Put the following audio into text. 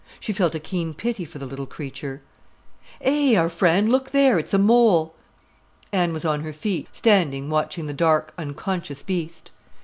She felt a keen pity for the little creature. "Eh, our Fran, look there! It's a mole." Anne was on her feet, standing watching the dark, unconscious beast.